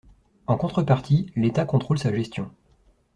En contrepartie, l’État contrôle sa gestion.